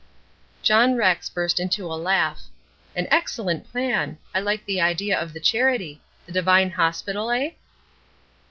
John Rex burst into a laugh. "An excellent plan. I like the idea of the charity the Devine Hospital, eh?"